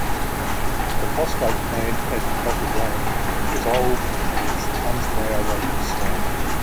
The phosphate plant at Boca Grande was old and its tons-per-hour rate was slow.